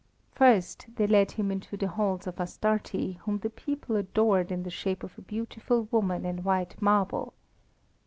First they led him into the halls of Astarte, whom the people adored in the shape of a beautiful woman in white marble.